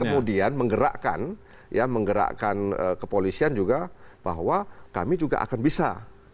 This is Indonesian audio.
kemudian menggerakkan kepolisian juga bahwa kami juga akan bisa